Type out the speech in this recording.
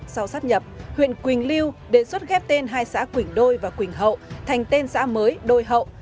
sau sắp nhập huyện quỳnh lưu đề xuất ghép tên hai xã quỳnh đôi và quỳnh hậu thành tên xã mới đôi hậu